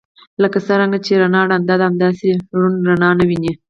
لکه څنګه چې رڼا ړنده ده همداسې ړوند رڼا نه ويني.